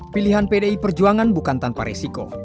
pilihan pdi perjuangan bukan tanpa resiko